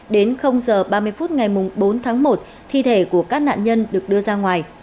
đến h ba mươi phút ngày bốn tháng một thi thể của các nạn nhân được đưa ra ngoài